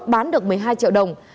bán được một mươi hai triệu đồng